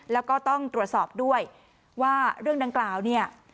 แล้วก็ต้องตรวจสอบด้วยว่าเรื่องดังกล่าวเนี่ย